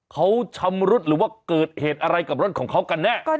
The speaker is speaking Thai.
เขาชำรุดหรือว่าเกิดเหตุอะไรกับรถของเขากันแน่